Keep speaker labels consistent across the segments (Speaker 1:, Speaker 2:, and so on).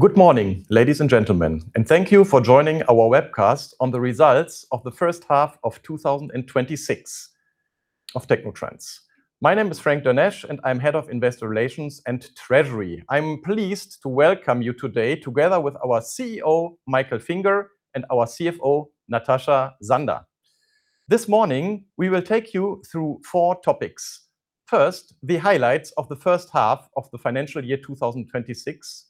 Speaker 1: Good morning, ladies and gentlemen, and thank you for joining our webcast on the results of the first half of 2026 of technotrans. My name is Frank Dernesch, and I am Head of Investor Relations and Treasury. I am pleased to welcome you today together with our CEO, Michael Finger, and our CFO, Natascha Sander. This morning, we will take you through four topics. First, the highlights of the first half of the financial year 2026.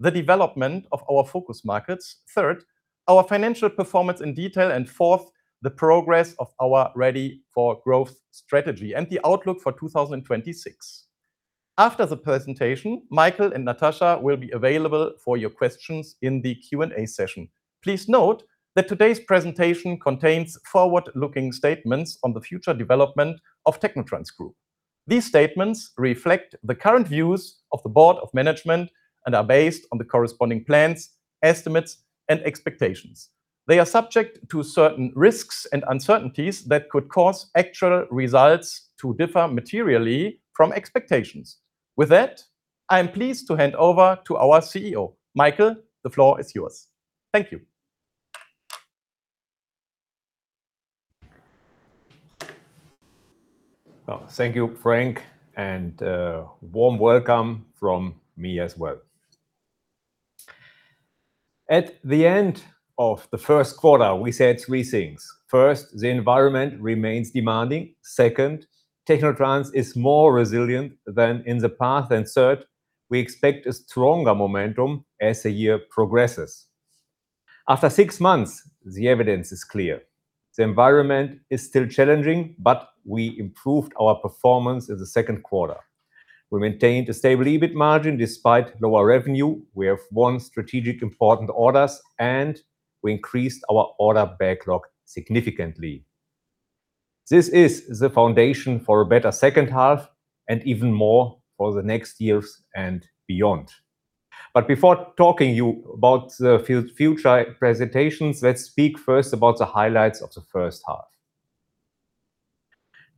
Speaker 1: Second, the development of our focus markets. Third, our financial performance in detail, and fourth, the progress of our Ready for Growth strategy and the outlook for 2026. After the presentation, Michael and Natascha will be available for your questions in the Q&A session. Please note that today's presentation contains forward-looking statements on the future development of technotrans Group. These statements reflect the current views of the board of management and are based on the corresponding plans, estimates, and expectations. They are subject to certain risks and uncertainties that could cause actual results to differ materially from expectations. With that, I am pleased to hand over to our CEO. Michael, the floor is yours. Thank you.
Speaker 2: Thank you, Frank, and a warm welcome from me as well. At the end of the first quarter, we said three things. First, the environment remains demanding. Second, technotrans is more resilient than in the past. Third, we expect a stronger momentum as the year progresses. After six months, the evidence is clear. The environment is still challenging, but we improved our performance in the second quarter. We maintained a stable EBIT margin despite lower revenue. We have won strategic important orders, and we increased our order backlog significantly. This is the foundation for a better second half and even more for the next years and beyond. Before talking to you about the future presentations, let's speak first about the highlights of the first half.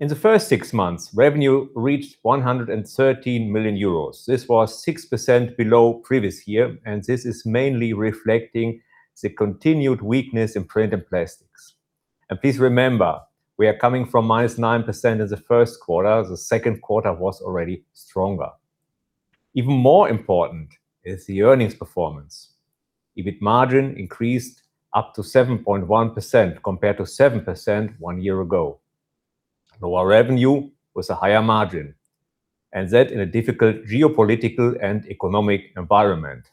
Speaker 2: In the first six months, revenue reached 113 million euros. This was 6% below previous year, and this is mainly reflecting the continued weakness in Print and Plastics. Please remember, we are coming from -9% in the first quarter. The second quarter was already stronger. Even more important is the earnings performance. EBIT margin increased up to 7.1%, compared to 7% one year ago, and our revenue was a higher margin, and that in a difficult geopolitical and economic environment.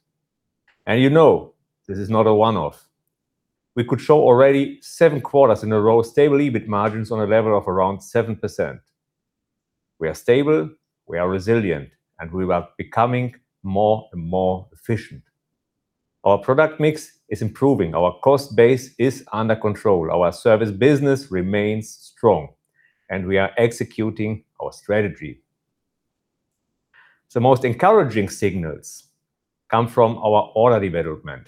Speaker 2: You know, this is not a one-off. We could show already seven quarters in a row stable EBIT margins on a level of around 7%. We are stable, we are resilient, and we are becoming more and more efficient. Our product mix is improving. Our cost base is under control. Our service business remains strong, and we are executing our strategy. The most encouraging signals come from our order development.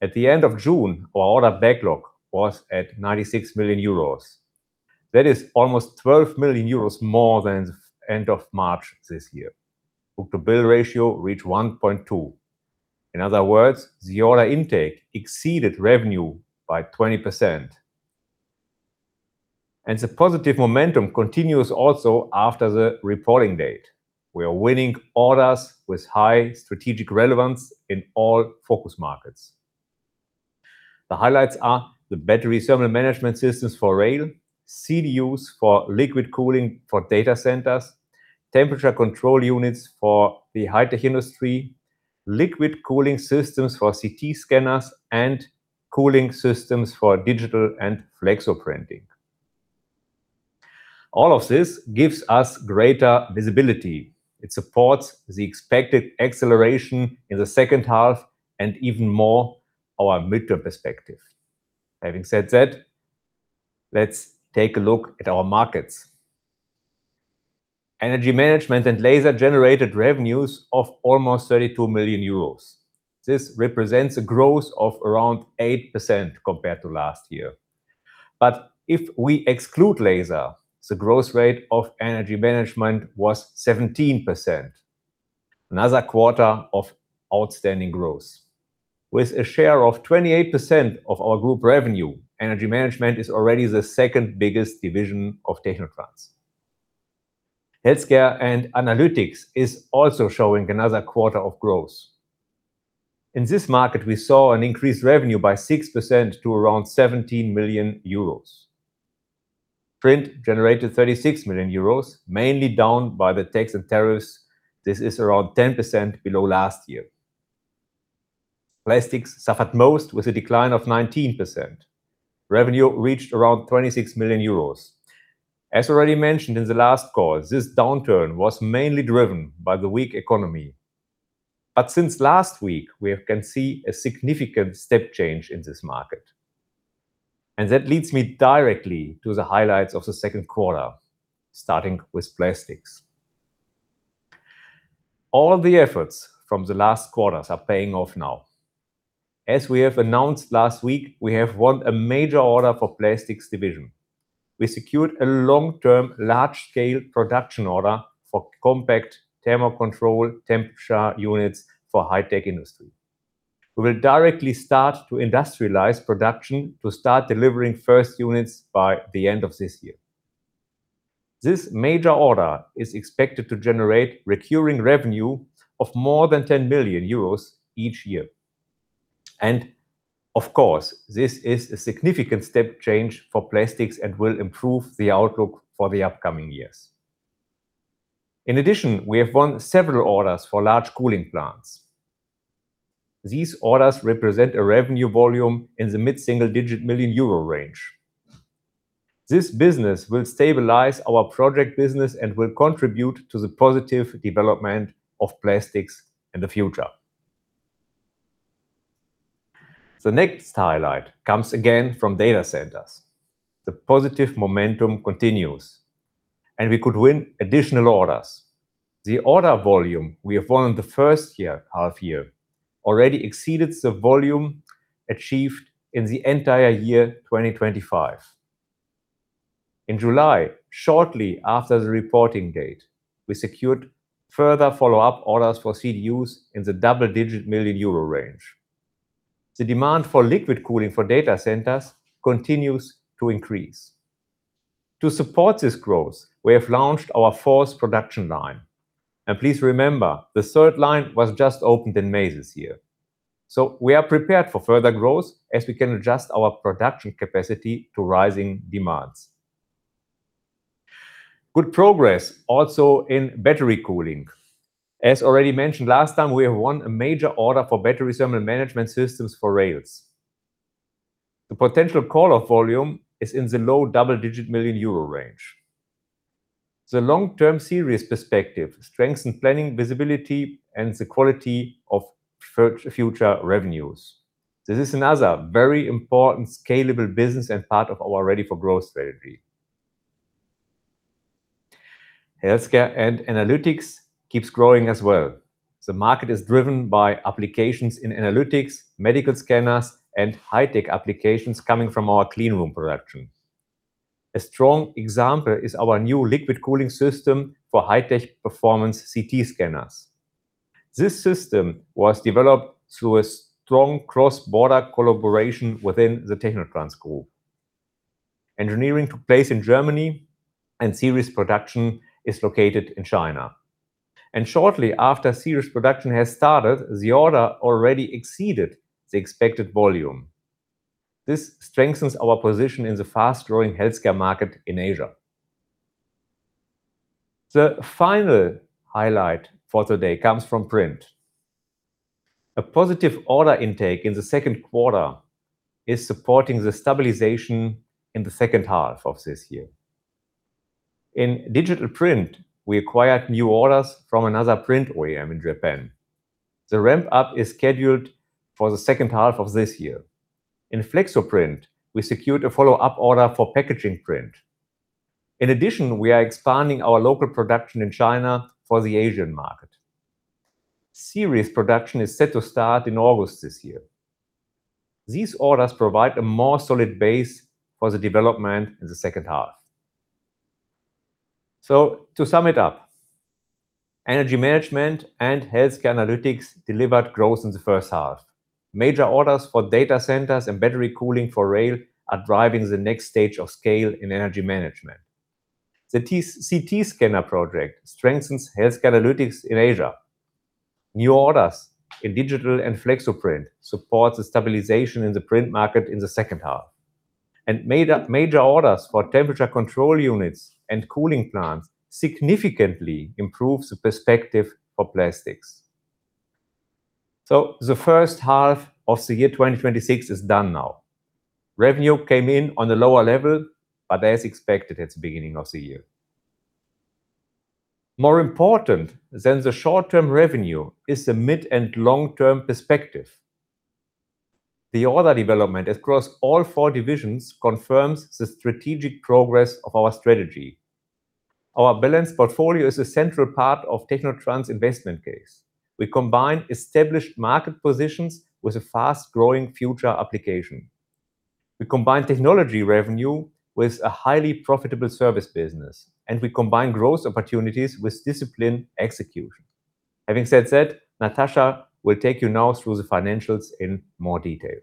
Speaker 2: At the end of June, our order backlog was at 96 million euros. That is almost 12 million euros more than the end of March this year. Book-to-bill ratio reached 1.2. In other words, the order intake exceeded revenue by 20%. The positive momentum continues also after the reporting date. We are winning orders with high strategic relevance in all focus markets. The highlights are the battery thermal management systems for rail, CDUs for liquid cooling for data centers, temperature control units for the high-tech industry, liquid cooling systems for CT scanners, and cooling systems for digital and flexo printing. All of this gives us greater visibility. It supports the expected acceleration in the second half and even more our midterm perspective. Having said that, let's take a look at our markets. Energy Management and Laser generated revenues of almost 32 million euros. This represents a growth of around 8% compared to last year. If we exclude Laser, the growth rate of Energy Management was 17%. Another quarter of outstanding growth. With a share of 28% of our group revenue, Energy Management is already the second biggest division of technotrans. Healthcare & Analytics is also showing another quarter of growth. In this market, we saw an increased revenue by 6% to around 17 million euros. Print generated 36 million euros, mainly down by the tax and tariffs. This is around 10% below last year. Plastics suffered most with a decline of 19%. Revenue reached around 26 million euros. As already mentioned in the last call, this downturn was mainly driven by the weak economy. Since last week, we can see a significant step change in this market. That leads me directly to the highlights of the second quarter, starting with Plastics. All of the efforts from the last quarters are paying off now. As we have announced last week, we have won a major order for Plastics division. We secured a long-term, large-scale production order for compact temperature control units for high-tech industry. We will directly start to industrialize production to start delivering first units by the end of this year. This major order is expected to generate recurring revenue of more than 10 million euros each year. Of course, this is a significant step change for Plastics and will improve the outlook for the upcoming years. In addition, we have won several orders for large cooling plants. These orders represent a revenue volume in the mid-single digit million EUR range. This business will stabilize our project business and will contribute to the positive development of Plastics in the future. The next highlight comes again from data centers. The positive momentum continues, and we could win additional orders. The order volume we have won in the first half year already exceeded the volume achieved in the entire year 2025. In July, shortly after the reporting date, we secured further follow-up orders for CDUs in the double-digit million euro range. The demand for liquid cooling for data centers continues to increase. To support this growth, we have launched our fourth production line. Please remember, the third line was just opened in May this year. We are prepared for further growth as we can adjust our production capacity to rising demands. Good progress also in battery cooling. As already mentioned last time, we have won a major order for battery thermal management systems for rails. The potential call-off volume is in the low double-digit million euro range. The long-term series perspective strengthens planning visibility and the quality of future revenues. This is another very important scalable business and part of our Ready for Growth strategy. Healthcare & Analytics keeps growing as well. The market is driven by applications in analytics, medical scanners, and high-tech applications coming from our clean room production. A strong example is our new liquid cooling system for high-tech performance CT scanners. This system was developed through a strong cross-border collaboration within the technotrans Group. Engineering took place in Germany, and series production is located in China. Shortly after series production has started, the order already exceeded the expected volume. This strengthens our position in the fast-growing healthcare market in Asia. The final highlight for today comes from Print. A positive order intake in the second quarter is supporting the stabilization in the second half of this year. In digital print, we acquired new orders from another print OEM in Japan. The ramp-up is scheduled for the second half of this year. In flexo print, we secured a follow-up order for packaging print. In addition, we are expanding our local production in China for the Asian market. Series production is set to start in August this year. These orders provide a more solid base for the development in the second half. To sum it up, Energy Management and Healthcare & Analytics delivered growth in the first half. Major orders for data centers and battery cooling for rail are driving the next stage of scale in Energy Management. The CT scanner project strengthens Healthcare & Analytics in Asia. New orders in digital and flexo print support the stabilization in the print market in the second half. Major orders for temperature control units and cooling plants significantly improve the perspective for Plastics. The first half of the year 2026 is done now. Revenue came in on a lower level, but as expected at the beginning of the year. More important than the short-term revenue is the mid and long-term perspective. The order development across all four divisions confirms the strategic progress of our strategy. Our balanced portfolio is a central part of technotrans' investment case. We combine established market positions with a fast-growing future application. We combine technology revenue with a highly profitable service business, and we combine growth opportunities with disciplined execution. Having said that, Natascha will take you now through the financials in more detail.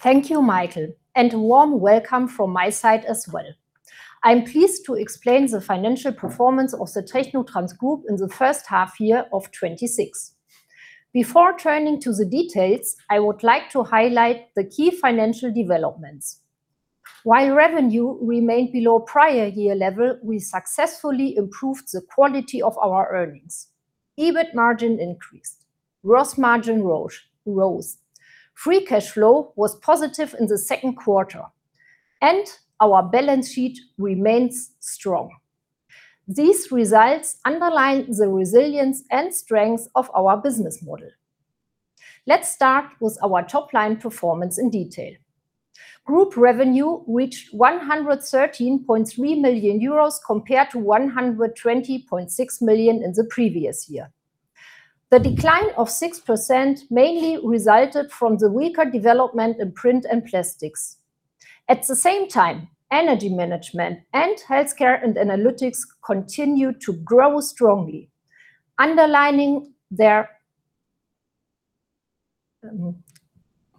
Speaker 3: Thank you, Michael, and a warm welcome from my side as well. I'm pleased to explain the financial performance of the technotrans Group in the first half year of 2026. Before turning to the details, I would like to highlight the key financial developments. While revenue remained below prior year level, we successfully improved the quality of our earnings. EBIT margin increased. Gross margin rose. Free cash flow was positive in the second quarter, and our balance sheet remains strong. These results underline the resilience and strength of our business model. Let's start with our top-line performance in detail. Group revenue reached 113.3 million euros compared to 120.6 million in the previous year. The decline of 6% mainly resulted from the weaker development in Print and Plastics. At the same time, Energy Management and Healthcare & Analytics continued to grow strongly, underlining their-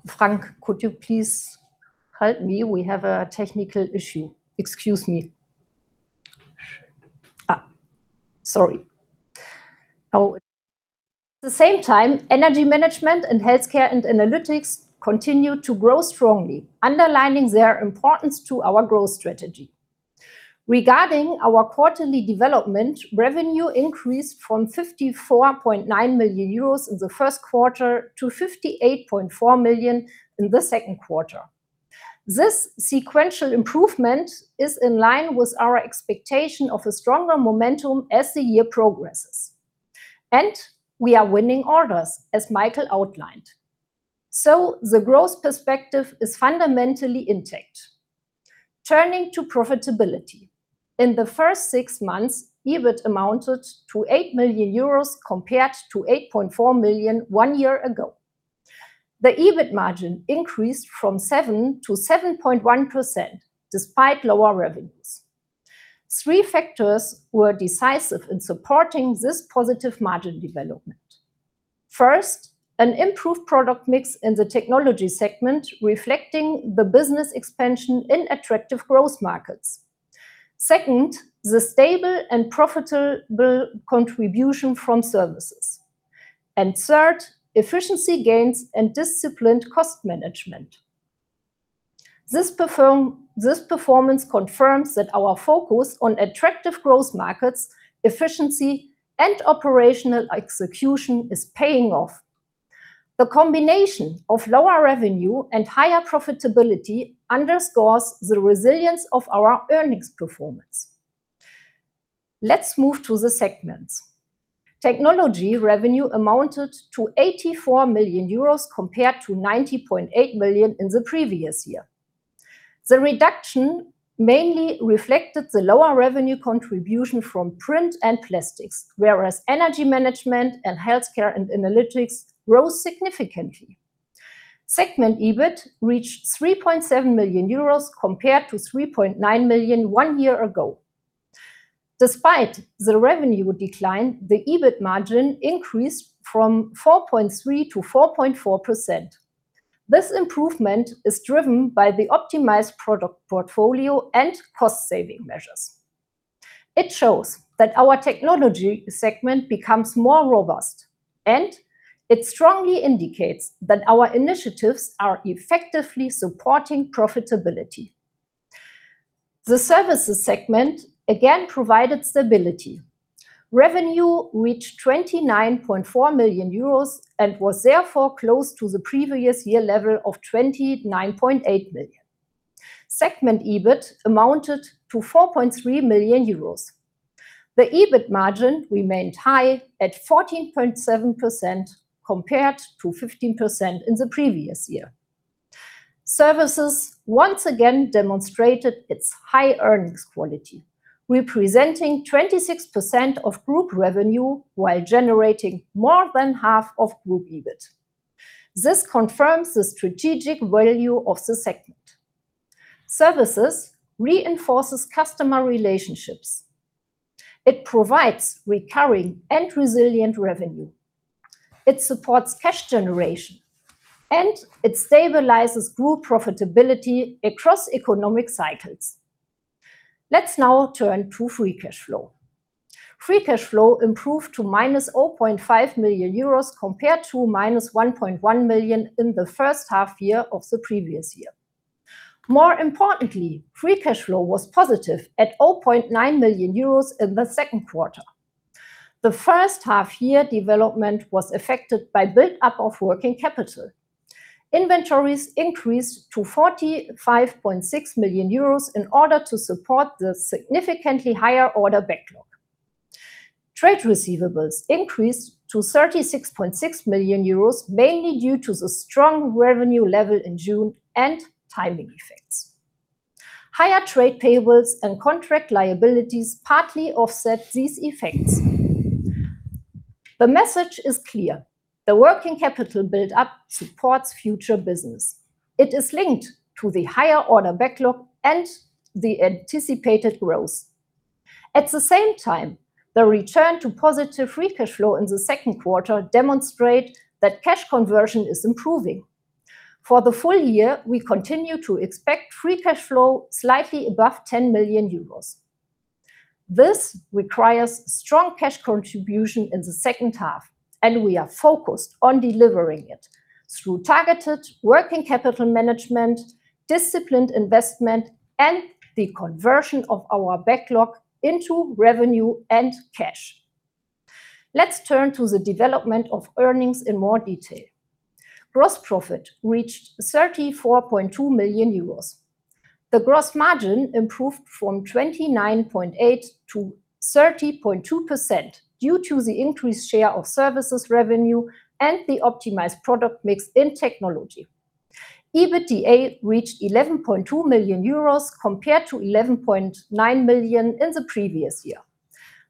Speaker 3: Frank, could you please help me? We have a technical issue. Excuse me. Sorry. At the same time, Energy Management and Healthcare & Analytics continued to grow strongly, underlining their importance to our growth strategy. Regarding our quarterly development, revenue increased from 54.9 million euros in the first quarter to 58.4 million in the second quarter. This sequential improvement is in line with our expectation of a stronger momentum as the year progresses. We are winning orders, as Michael outlined. The growth perspective is fundamentally intact. Turning to profitability. In the first six months, EBIT amounted to 8 million euros compared to 8.4 million one year ago. The EBIT margin increased from 7% to 7.1%, despite lower revenues. Three factors were decisive in supporting this positive margin development. First, an improved product mix in the Technology segment, reflecting the business expansion in attractive growth markets. Second, the stable and profitable contribution from Services. Third, efficiency gains and disciplined cost management. This performance confirms that our focus on attractive growth markets, efficiency, and operational execution is paying off. The combination of lower revenue and higher profitability underscores the resilience of our earnings performance. Let's move to the segments. Technology revenue amounted to 84 million euros compared to 90.8 million in the previous year. The reduction mainly reflected the lower revenue contribution from Print and Plastics, whereas Energy Management and Healthcare & Analytics grew significantly. Segment EBIT reached 3.7 million euros compared to 3.9 million one year ago. Despite the revenue decline, the EBIT margin increased from 4.3% to 4.4%. This improvement is driven by the optimized product portfolio and cost-saving measures. It shows that our Technology segment becomes more robust, and it strongly indicates that our initiatives are effectively supporting profitability. The Services segment again provided stability. Revenue reached 29.4 million euros and was therefore close to the previous year level of 29.8 million. Segment EBIT amounted to 4.3 million euros. The EBIT margin remained high at 14.7% compared to 15% in the previous year. Services once again demonstrated its high earnings quality, representing 26% of group revenue while generating more than half of group EBIT. This confirms the strategic value of the segment. Services reinforces customer relationships. It provides recurring and resilient revenue. It supports cash generation, and it stabilizes group profitability across economic cycles. Let's now turn to free cash flow. Free cash flow improved to -0.5 million euros compared to -1.1 million in the first half year of the previous year. More importantly, free cash flow was positive at 0.9 million euros in the second quarter. The first half-year development was affected by build-up of working capital. Inventories increased to 45.6 million euros in order to support the significantly higher order backlog. Trade receivables increased to 36.6 million euros, mainly due to the strong revenue level in June and timing effects. Higher trade payables and contract liabilities partly offset these effects. The message is clear. The working capital build-up supports future business. It is linked to the higher order backlog and the anticipated growth. At the same time, the return to positive free cash flow in the second quarter demonstrate that cash conversion is improving. For the full year, we continue to expect free cash flow slightly above 10 million euros. This requires strong cash contribution in the second half, and we are focused on delivering it through targeted working capital management, disciplined investment, and the conversion of our backlog into revenue and cash. Let's turn to the development of earnings in more detail. Gross profit reached 34.2 million euros. The gross margin improved from 29.8% to 30.2% due to the increased share of Services revenue and the optimized product mix in Technology. EBITDA reached 11.2 million euros compared to 11.9 million in the previous year.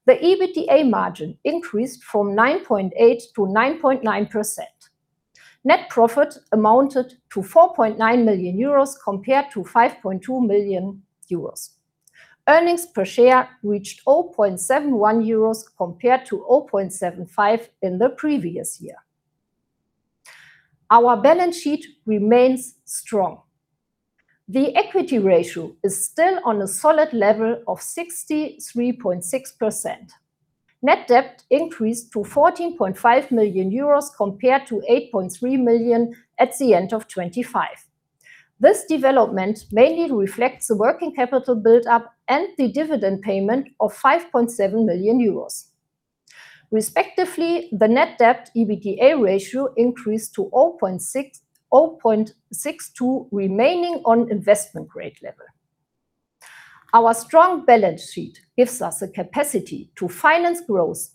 Speaker 3: The EBITDA margin increased from 9.8% to 9.9%. Net profit amounted to 4.9 million euros compared to 5.2 million euros. Earnings per share reached 0.71 euros compared to 0.75 in the previous year. Our balance sheet remains strong. The equity ratio is still on a solid level of 63.6%. Net debt increased to 14.5 million euros compared to 8.3 million at the end of 2025. This development mainly reflects the working capital buildup and the dividend payment of 5.7 million euros. Respectively, the net debt to EBITDA ratio increased to 0.62, remaining on investment-grade level. Our strong balance sheet gives us the capacity to finance growth,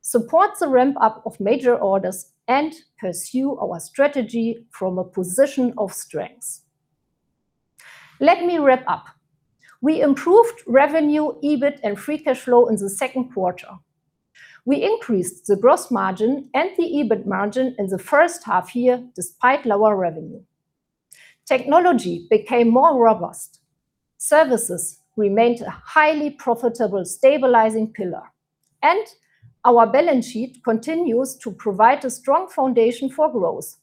Speaker 3: support the ramp-up of major orders, and pursue our strategy from a position of strength. Let me wrap up. We improved revenue, EBIT, and free cash flow in the second quarter. We increased the gross margin and the EBIT margin in the first half-year despite lower revenue. Technology became more robust. Services remained a highly profitable stabilizing pillar, and our balance sheet continues to provide a strong foundation for growth.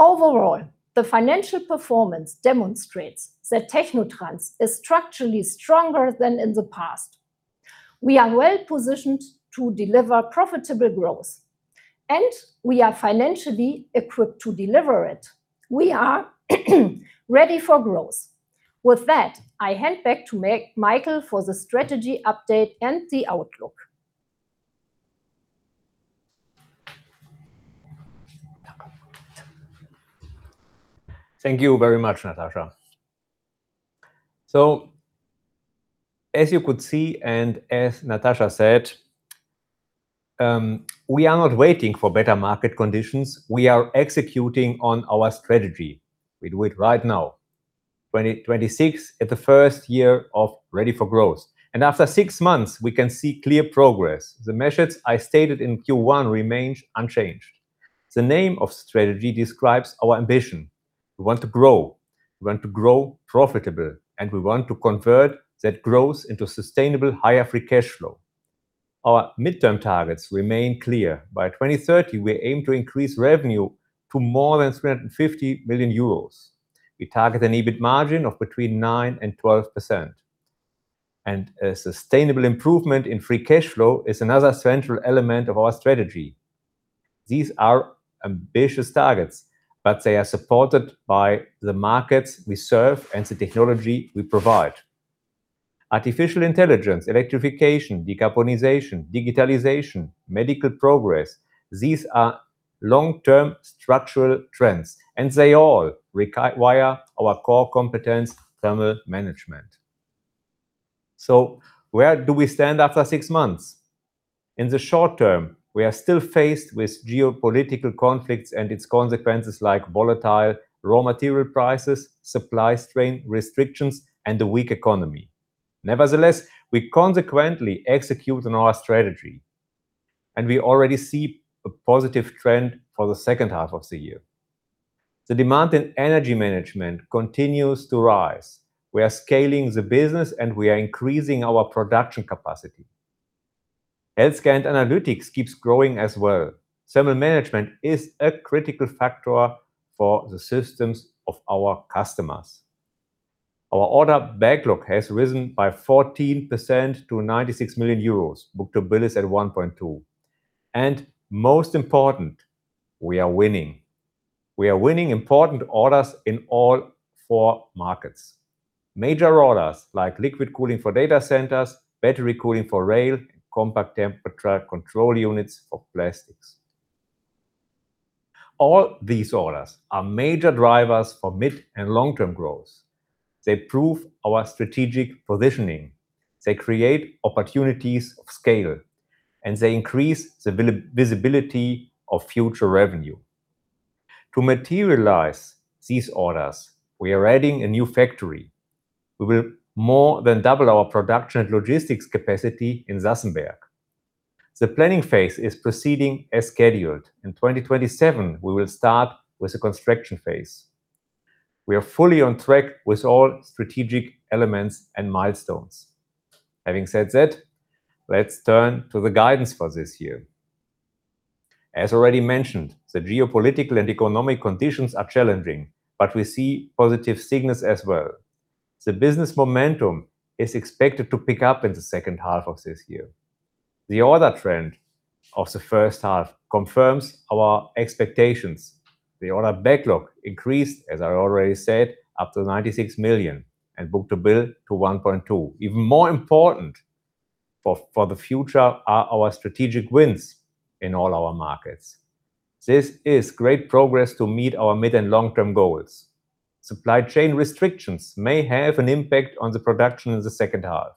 Speaker 3: Overall, the financial performance demonstrates that technotrans is structurally stronger than in the past. We are well-positioned to deliver profitable growth, and we are financially equipped to deliver it. We are Ready for Growth. With that, I hand back to Michael for the strategy update and the outlook.
Speaker 2: Thank you very much, Natascha. As you could see and as Natascha said, we are not waiting for better market conditions. We are executing on our strategy. We do it right now. 2026 is the first year of Ready for Growth, and after six months, we can see clear progress. The measures I stated in Q1 remain unchanged. The name of strategy describes our ambition. We want to grow, we want to grow profitable, and we want to convert that growth into sustainable higher free cash flow. Our midterm targets remain clear. By 2030, we aim to increase revenue to more than 350 million euros. We target an EBIT margin of between 9% and 12%, and a sustainable improvement in free cash flow is another central element of our strategy. These are ambitious targets, they are supported by the markets we serve and the Technology we provide. Artificial intelligence, electrification, decarbonization, digitalization, medical progress. These are long-term structural trends, and they all require our core competence, thermal management. Where do we stand after six months? In the short term, we are still faced with geopolitical conflicts and its consequences, like volatile raw material prices, supply strain restrictions, and a weak economy. Nevertheless, we consequently execute on our strategy, and we already see a positive trend for the second half of the year. The demand in Energy Management continues to rise. We are scaling the business, and we are increasing our production capacity. Healthcare & Analytics keeps growing as well. Thermal management is a critical factor for the systems of our customers. Our order backlog has risen by 14% to 96 million euros. Book-to-bill is at 1.2. Most important, we are winning. We are winning important orders in all four markets. Major orders like liquid cooling for data centers, battery cooling for rail, compact temperature control units for Plastics. All these orders are major drivers for mid- and long-term growth. They prove our strategic positioning, they create opportunities of scale, and they increase the visibility of future revenue. To materialize these orders, we are adding a new factory. We will more than double our production and logistics capacity in Sassenberg. The planning phase is proceeding as scheduled. In 2027, we will start with the construction phase. We are fully on track with all strategic elements and milestones. Let's turn to the guidance for this year. As already mentioned, the geopolitical and economic conditions are challenging, but we see positive signals as well. The business momentum is expected to pick up in the second half of this year. The order trend of the first half confirms our expectations. The order backlog increased, as I already said, up to 96 million and book-to-bill to 1.2. Even more important for the future are our strategic wins in all our markets. This is great progress to meet our mid- and long-term goals. Supply chain restrictions may have an impact on the production in the second half.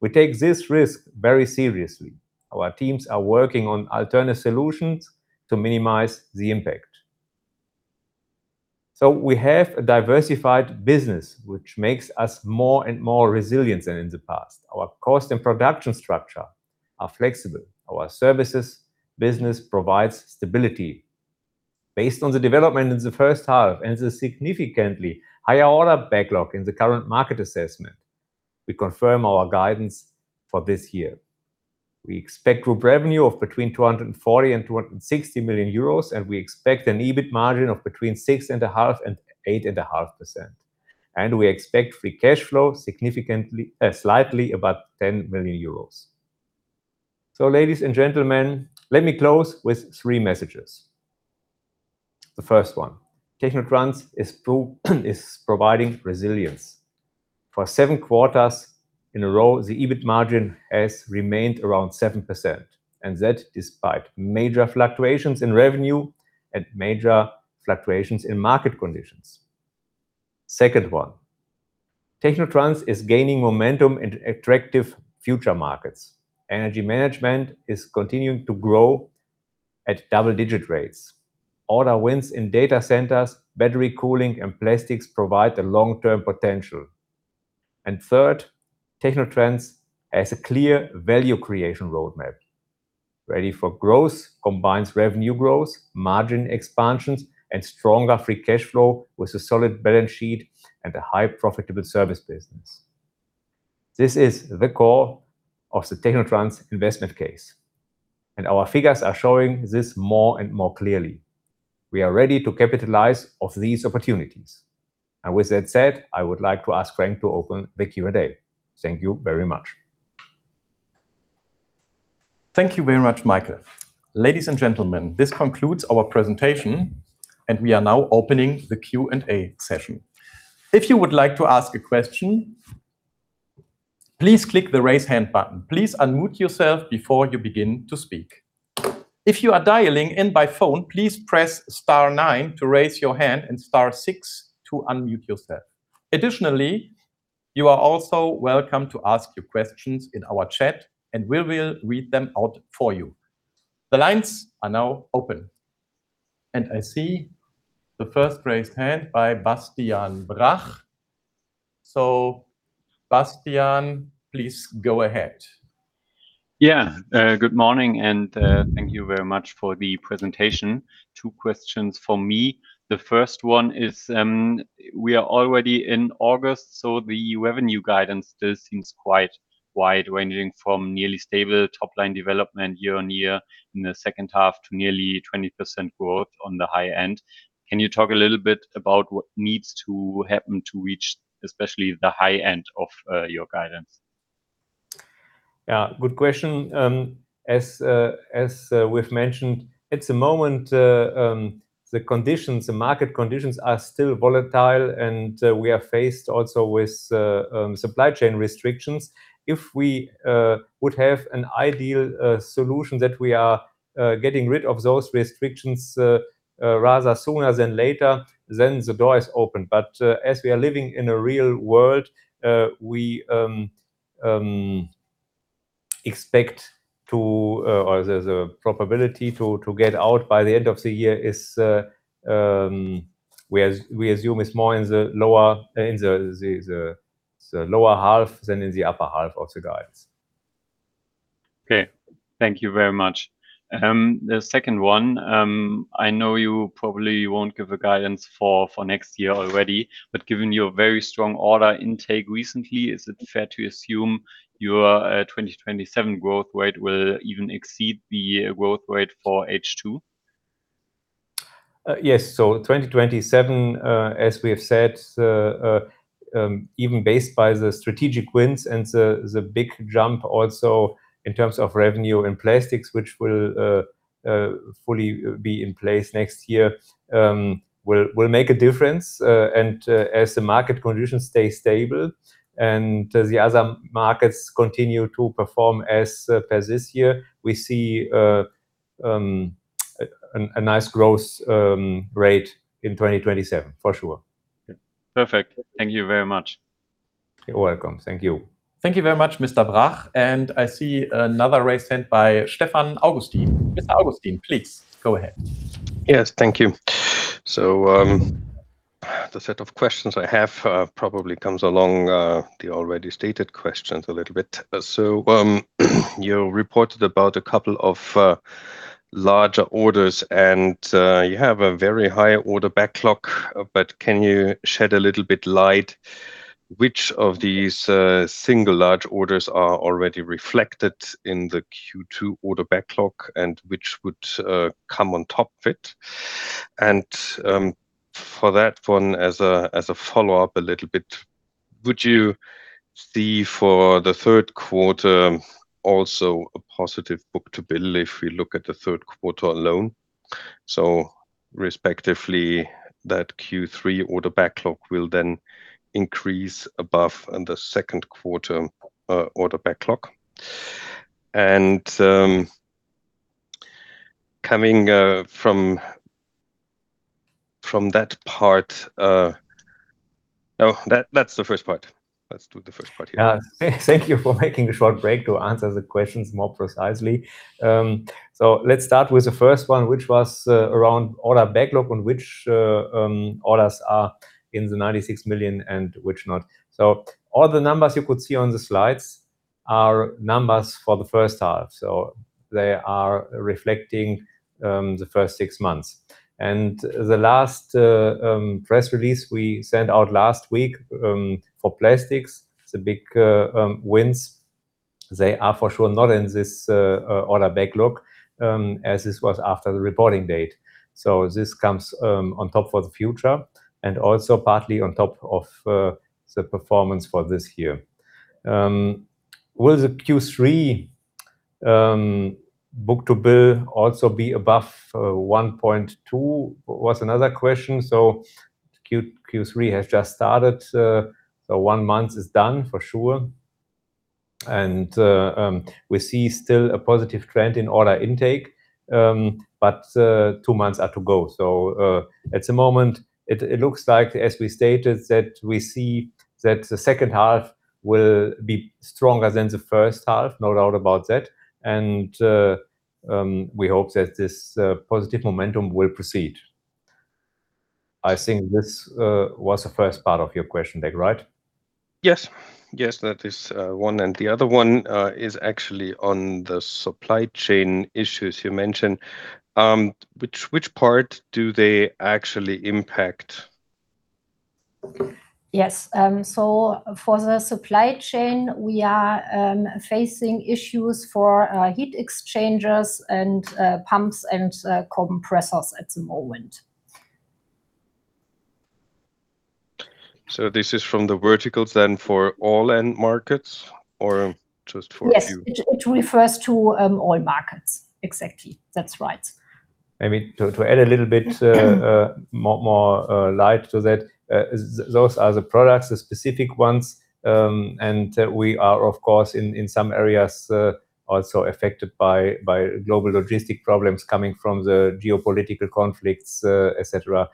Speaker 2: We take this risk very seriously. Our teams are working on alternate solutions to minimize the impact. We have a diversified business, which makes us more and more resilient than in the past. Our cost and production structure are flexible. Our Services business provides stability. Based on the development in the first half and the significantly higher order backlog in the current market assessment, we confirm our guidance for this year. We expect group revenue of between 240 million and 260 million euros, and we expect an EBIT margin of between 6.5% and 8.5%. We expect free cash flow slightly above 10 million euros. Ladies and gentlemen, let me close with three messages. The first one, technotrans is providing resilience. For seven quarters in a row, the EBIT margin has remained around 7%, and that despite major fluctuations in revenue and major fluctuations in market conditions. Second one, technotrans is gaining momentum in attractive future markets. Energy Management is continuing to grow at double-digit rates. Order wins in data centers, battery cooling, and Plastics provide the long-term potential. Third, technotrans has a clear value creation roadmap. Ready for Growth combines revenue growth, margin expansions, and stronger free cash flow with a solid balance sheet and a high profitable Services business. This is the core of the technotrans investment case, and our figures are showing this more and more clearly. We are ready to capitalize off these opportunities. With that said, I would like to ask Frank to open the Q&A. Thank you very much.
Speaker 1: Thank you very much, Michael. Ladies and gentlemen, this concludes our presentation. We are now opening the Q&A session. If you would like to ask a question, please click the raise hand button. Please unmute yourself before you begin to speak. If you are dialing in by phone, please press star nine to raise your hand and star six to unmute yourself. Additionally, you are also welcome to ask your questions in our chat and we will read them out for you. The lines are now open. I see the first raised hand by Bastian Brach. Bastian, please go ahead.
Speaker 4: Good morning and thank you very much for the presentation. Two questions for me. The first one is, we are already in August. The revenue guidance still seems quite wide, ranging from nearly stable top-line development year-over-year in the second half to nearly 20% growth on the high end. Can you talk a little bit about what needs to happen to reach, especially the high end of your guidance?
Speaker 2: Good question. As we've mentioned, at the moment, the market conditions are still volatile and we are faced also with supply chain restrictions. If we would have an ideal solution that we are getting rid of those restrictions rather sooner than later, then the door is open. As we are living in a real world, the probability to get out by the end of the year, we assume, is more in the lower half than in the upper half of the guidance.
Speaker 4: Okay. Thank you very much. The second one, I know you probably won't give a guidance for next year already. Given your very strong order intake recently, is it fair to assume your 2027 growth rate will even exceed the growth rate for H2?
Speaker 2: Yes. 2027, as we have said, even based by the strategic wins and the big jump also in terms of revenue in Plastics, which will fully be in place next year, will make a difference. As the market conditions stay stable and the other markets continue to perform as this year, we see a nice growth rate in 2027, for sure.
Speaker 4: Perfect. Thank you very much.
Speaker 2: You're welcome. Thank you.
Speaker 1: Thank you very much, Mr. Brach. I see another raised hand by Stefan Augustin. Mr. Augustin, please go ahead.
Speaker 5: Yes. Thank you. The set of questions I have probably comes along the already stated questions a little bit. You reported about a couple of larger orders, and you have a very high order backlog, but can you shed a little bit light which of these single large orders are already reflected in the Q2 order backlog and which would come on top of it? For that one, as a follow-up a little bit, would you see for the third quarter also a positive book-to-bill if we look at the third quarter alone? Respectively, that Q3 order backlog will then increase above the second quarter order backlog. Coming from that part No, that's the first part. Let's do the first part here.
Speaker 2: Yeah. Thank you for making a short break to answer the questions more precisely. Let's start with the first one, which was around order backlog, on which orders are in the 96 million and which not. All the numbers you could see on the slides are numbers for the first half, they are reflecting the first six months. The last press release we sent out last week, for Plastics, the big wins, they are for sure not in this order backlog, as this was after the reporting date. This comes on top for the future and also partly on top of the performance for this year. Will the Q3 book-to-bill also be above 1.2 was another question. Q3 has just started, one month is done, for sure. We see still a positive trend in order intake, but two months are to go. At the moment it looks like, as we stated, that we see that the second half will be stronger than the first half, no doubt about that, and we hope that this positive momentum will proceed. I think this was the first part of your question, Dirk, right?
Speaker 5: Yes. Yes, that is one. The other one is actually on the supply chain issues you mentioned. Which part do they actually impact?
Speaker 3: Yes. For the supply chain, we are facing issues for heat exchangers and pumps and compressors at the moment.
Speaker 5: This is from the verticals then for all end markets, or just for a few?
Speaker 3: Yes. It refers to all markets. Exactly. That's right.
Speaker 2: Maybe to add a little bit more light to that, those are the products, the specific ones, and we are, of course, in some areas also affected by global logistic problems coming from the geopolitical conflicts, et cetera.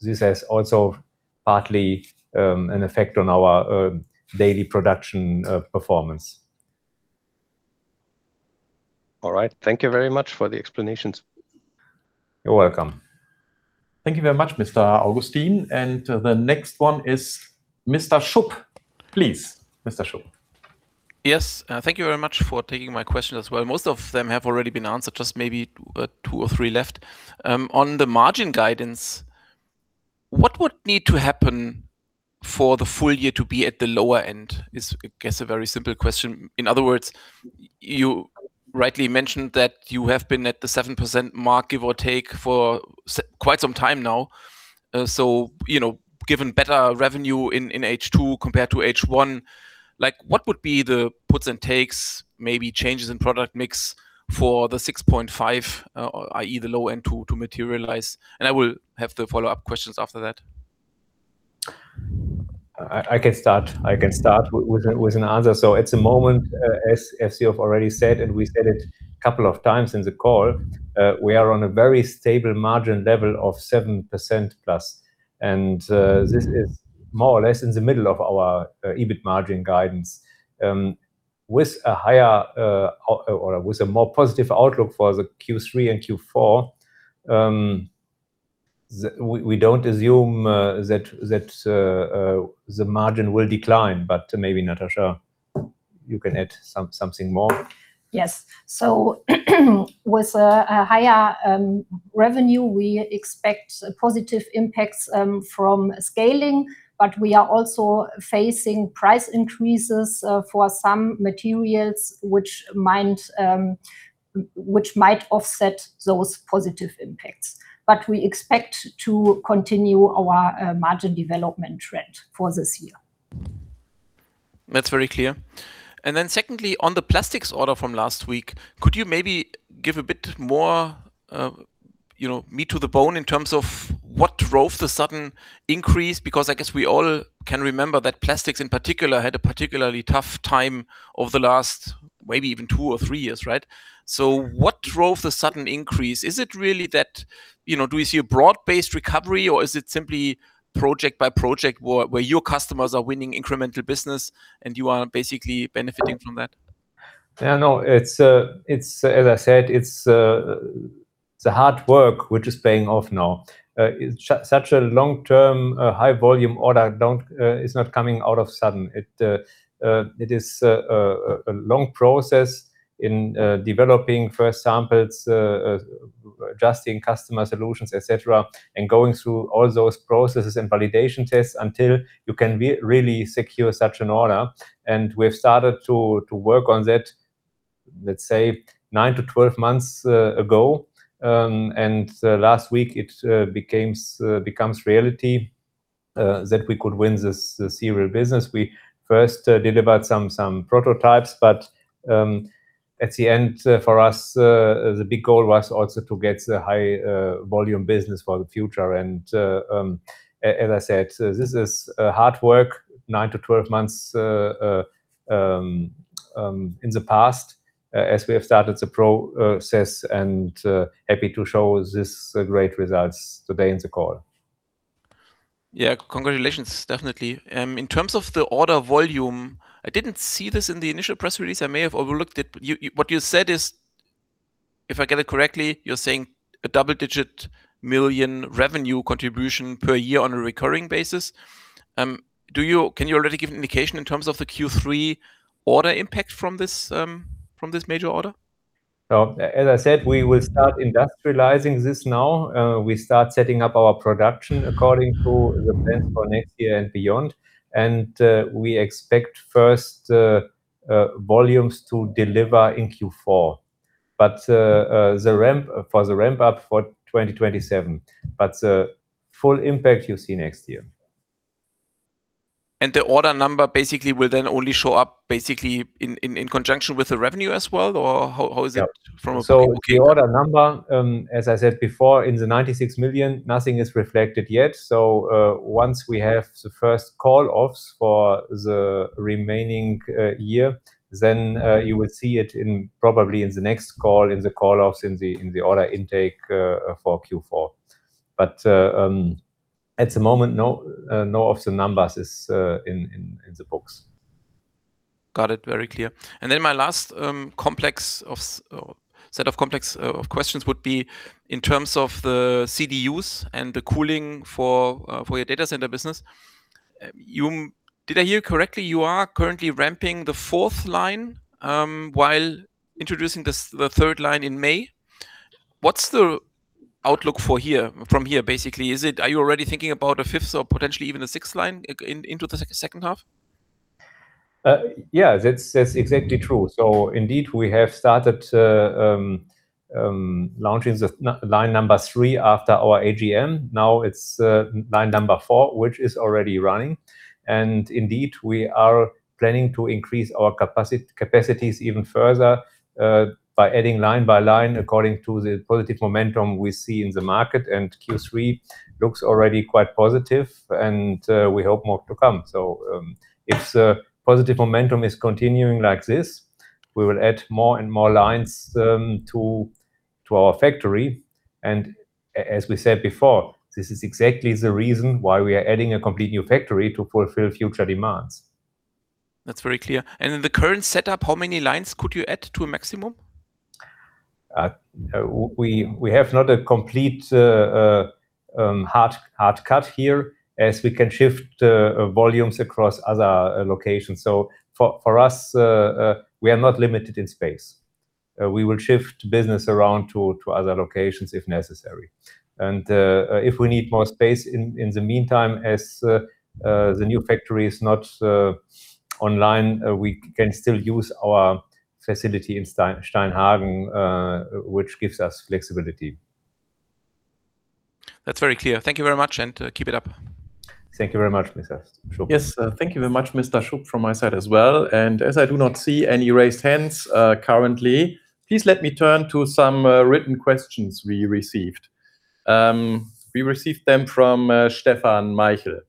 Speaker 2: This has also partly an effect on our daily production performance.
Speaker 5: All right. Thank you very much for the explanations.
Speaker 2: You're welcome.
Speaker 1: Thank you very much, Mr. Augustin. The next one is Mr. Schupp. Please, Mr. Schupp.
Speaker 6: Yes. Thank you very much for taking my question as well. Most of them have already been answered, just maybe two or three left. On the margin guidance, what would need to happen for the full year to be at the lower end? Is, I guess, a very simple question. In other words, you rightly mentioned that you have been at the 7% mark, give or take, for quite some time now. Given better revenue in H2 compared to H1, what would be the puts and takes, maybe changes in product mix for the 6.5%, i.e. the low end to materialize? I will have the follow-up questions after that.
Speaker 2: I can start with an answer. At the moment, as you have already said, and we said it a couple of times in the call, we are on a very stable margin level of 7%+, and this is more or less in the middle of our EBIT margin guidance. With a more positive outlook for the Q3 and Q4, we don't assume that the margin will decline, maybe Natascha, you can add something more.
Speaker 3: Yes. With a higher revenue, we expect positive impacts from scaling, we are also facing price increases for some materials, which might offset those positive impacts. We expect to continue our margin development trend for this year.
Speaker 6: That's very clear. Secondly, on the Plastics order from last week, could you maybe give a bit more meat to the bone in terms of what drove the sudden increase? I guess we all can remember that Plastics in particular had a particularly tough time over the last maybe even two or three years, right? What drove the sudden increase? Is it really that, do we see a broad-based recovery, or is it simply project by project where your customers are winning incremental business and you are basically benefiting from that?
Speaker 2: No. As I said, it's the hard work which is paying off now. Such a long-term, high volume order is not coming out of sudden. It is a long process in developing first samples, adjusting customer solutions, et cetera, and going through all those processes and validation tests until you can really secure such an order. We've started to work on that Let's say 9-12 months ago, last week it becomes reality that we could win this serial business. We first delivered some prototypes, at the end, for us, the big goal was also to get the high volume business for the future. As I said, this is hard work, 9-12 months in the past, as we have started the process and happy to show this great results today in the call.
Speaker 6: Yeah, congratulations. Definitely. In terms of the order volume, I did not see this in the initial press release. I may have overlooked it. What you said is, if I get it correctly, you are saying a double-digit million revenue contribution per year on a recurring basis. Can you already give an indication in terms of the Q3 order impact from this major order?
Speaker 2: As I said, we will start industrializing this now. We start setting up our production according to the plan for next year and beyond. We expect first volumes to deliver in Q4. For the ramp-up for 2027. The full impact, you will see next year.
Speaker 6: The order number basically will then only show up basically in conjunction with the revenue as well? How is it?
Speaker 2: The order number, as I said before, in the 96 million, nothing is reflected yet. Once we have the first call-offs for the remaining year, you will see it probably in the next call, in the call-offs in the order intake for Q4. At the moment, none of the numbers is in the books.
Speaker 6: Got it. Very clear. My last set of complex of questions would be in terms of the CDUs and the cooling for your data center business. Did I hear correctly, you are currently ramping the fourth line, while introducing the third line in May? What's the outlook from here, basically? Are you already thinking about a fifth or potentially even a sixth line into the second half?
Speaker 2: Yeah, that's exactly true. Indeed, we have started launching the line number three after our AGM. Now it's line number four, which is already running. Indeed, we are planning to increase our capacities even further, by adding line by line according to the positive momentum we see in the market. Q3 looks already quite positive and we hope more to come. If the positive momentum is continuing like this, we will add more and more lines to our factory. As we said before, this is exactly the reason why we are adding a complete new factory to fulfill future demands.
Speaker 6: That's very clear. In the current setup, how many lines could you add to a maximum?
Speaker 2: We have not a complete hard cut here as we can shift volumes across other locations. For us, we are not limited in space. We will shift business around to other locations if necessary. If we need more space in the meantime, as the new factory is not online, we can still use our facility in Steinhagen, which gives us flexibility.
Speaker 6: That's very clear. Thank you very much, and keep it up.
Speaker 2: Thank you very much, Mr. Schupp.
Speaker 1: Yes. Thank you very much, Mr. Schupp, from my side as well. As I do not see any raised hands, currently, please let me turn to some written questions we received. We received them from Stefan Maichl.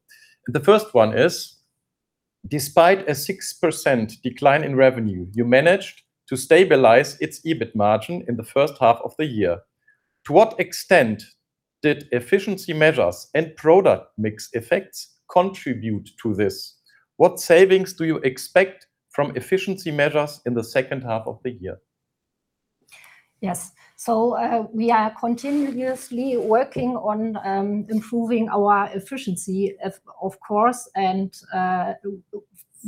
Speaker 1: The first one is: Despite a 6% decline in revenue, you managed to stabilize its EBIT margin in the first half of the year. To what extent did efficiency measures and product mix effects contribute to this? What savings do you expect from efficiency measures in the second half of the year?
Speaker 3: Yes. We are continuously working on improving our efficiency, of course.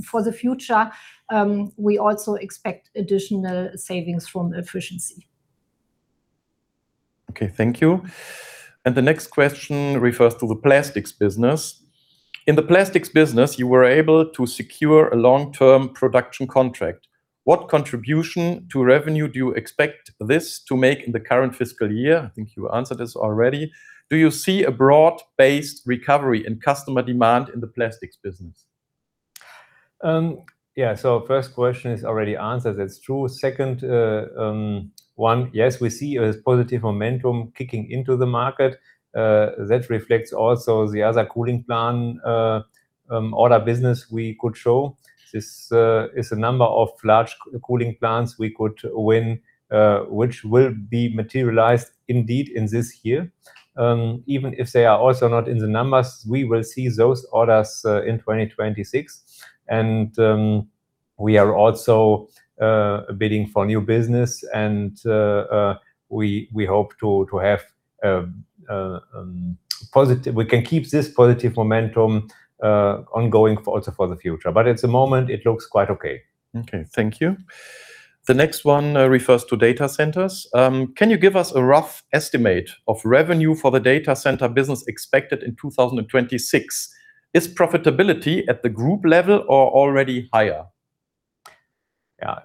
Speaker 3: For the future, we also expect additional savings from efficiency.
Speaker 1: Okay. Thank you. The next question refers to the Plastics business. In the Plastics business, you were able to secure a long-term production contract. What contribution to revenue do you expect this to make in the current fiscal year? I think you answered this already. Do you see a broad-based recovery in customer demand in the Plastics business?
Speaker 2: Yeah. First question is already answered. That's true. Second one, yes, we see a positive momentum kicking into the market, that reflects also the other cooling plan, order business we could show. This is a number of large cooling plans we could win, which will be materialized indeed in this year. Even if they are also not in the numbers, we will see those orders in 2026. We are also bidding for new business and we hope we can keep this positive momentum ongoing also for the future. At the moment it looks quite okay.
Speaker 1: Okay. Thank you. The next one refers to data centers. Can you give us a rough estimate of revenue for the data center business expected in 2026? Is profitability at the group level or already higher?
Speaker 2: Yeah.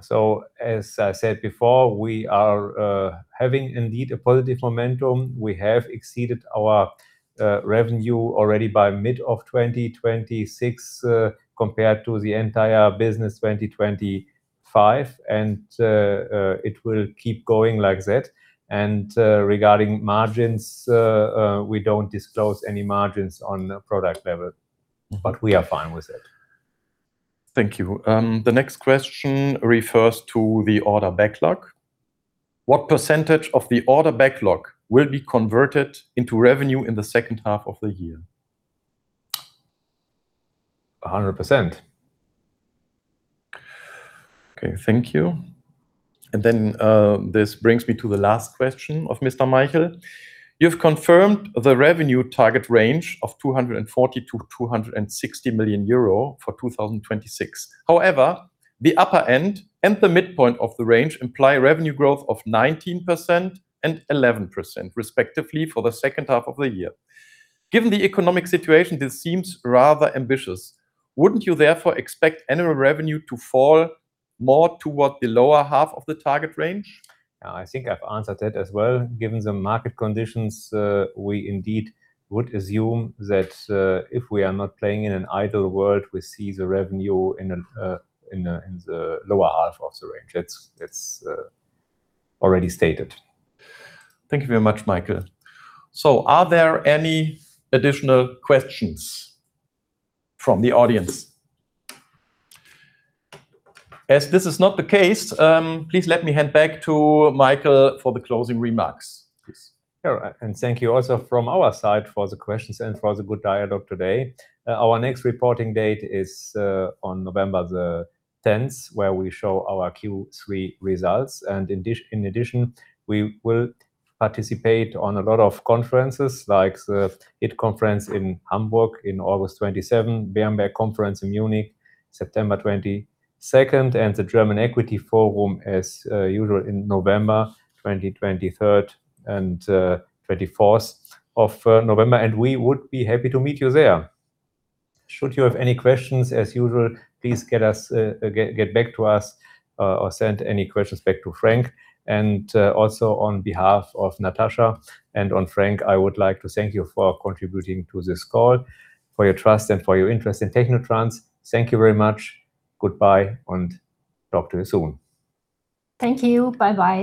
Speaker 2: As I said before, we are having indeed a positive momentum. We have exceeded our revenue already by mid of 2026, compared to the entire business 2025, it will keep going like that. Regarding margins, we don't disclose any margins on a product level, we are fine with it.
Speaker 1: Thank you. The next question refers to the order backlog. What percentage of the order backlog will be converted into revenue in the second half of the year?
Speaker 2: 100%.
Speaker 1: Okay, thank you. This brings me to the last question of Mr. Maichl. You've confirmed the revenue target range of 240 million-260 million euro for 2026. However, the upper end and the midpoint of the range imply revenue growth of 19% and 11%, respectively, for the second half of the year. Given the economic situation, this seems rather ambitious. Wouldn't you therefore expect annual revenue to fall more toward the lower half of the target range?
Speaker 2: I think I've answered that as well. Given the market conditions, we indeed would assume that if we are not playing in an idle world, we see the revenue in the lower half of the range. It's already stated.
Speaker 1: Thank you very much, Michael. Are there any additional questions from the audience? As this is not the case, please let me hand back to Michael for the closing remarks, please.
Speaker 2: All right, thank you also from our side for the questions and for the good dialogue today. Our next reporting date is on November 10th, where we show our Q3 results. In addition, we will participate on a lot of conferences like the HIT Conference in Hamburg on August 27th, Baader Conference in Munich, September 22nd, and the German Equity Forum as usual in November 23rd and 24th of November. We would be happy to meet you there. Should you have any questions, as usual, please get back to us, or send any questions back to Frank. Also on behalf of Natascha and on Frank, I would like to thank you for contributing to this call, for your trust, and for your interest in technotrans. Thank you very much. Goodbye and talk to you soon.
Speaker 3: Thank you. Bye-bye